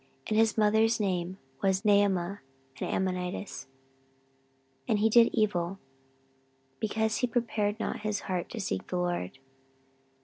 And his mother's name was Naamah an Ammonitess. 14:012:014 And he did evil, because he prepared not his heart to seek the LORD.